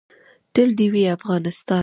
تل دې وي افغانستان.